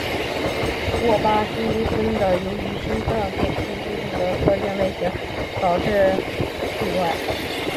沃夫巴金森怀特症候群是由于心脏电气系统的特定类型问题导致症状而导致的紊乱。